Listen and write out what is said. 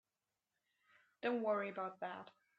Don't worry about that.